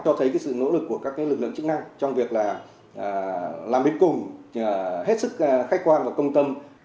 cho thấy cái sự nỗ lực của các lực lượng chức năng trong việc là làm đến cùng hết sức khách quan và công tâm